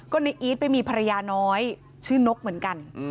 ก็ในอีทไปมีภรรยาน้อยชื่อนกเหมือนกัน